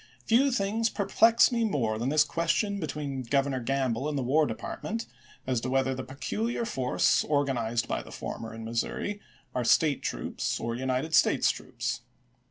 Few things perplex me more than this question be tween Governor Gamble and the War Department, as to whether the peculiar force organized by the former in Missouri are State troops or United States troops.